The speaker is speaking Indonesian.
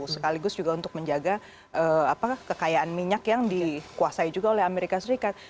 sekaligus juga untuk menjaga kekayaan minyak yang dikuasai juga oleh amerika serikat